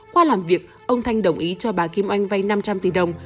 qua làm việc ông thanh đồng ý cho bà kim oanh vay năm trăm linh tỷ đồng